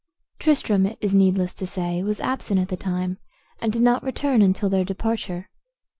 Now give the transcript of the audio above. Tristram, it is needless to say, was absent at the time, and did not return until their departure.